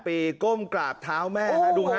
ปีก้มกราบเท้าแม่ดูฮะ